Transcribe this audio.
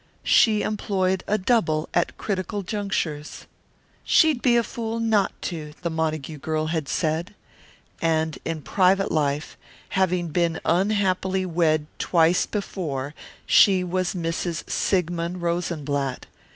She employed a double at critical junctures. "She'd be a fool not to," the Montague girl had said. And in private life, having been unhappily wed twice before, she was Mrs. Sigmund Rosenblatt.